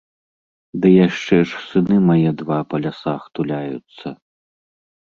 Ды яшчэ ж сыны мае два па лясах туляюцца.